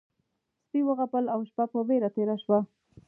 سپي وغپل او شپه په وېره تېره شوه.